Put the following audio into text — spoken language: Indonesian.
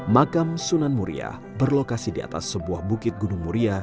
makam sunan muria berlokasi di atas sebuah bukit gunung muria